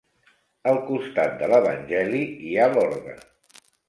Al costat de l'evangeli hi ha l'orgue.